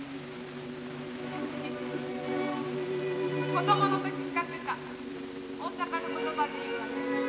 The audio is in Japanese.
子供の時使ってた大阪の言葉で言うわね。